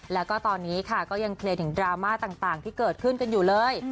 และก็ตอนนี้คลียดถึงดราม่าต่างที่เกิดขึ้นกันอยู่เลย